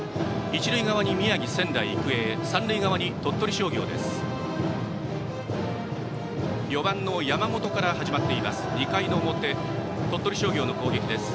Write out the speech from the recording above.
一塁側に宮城・仙台育英三塁側に鳥取商業です。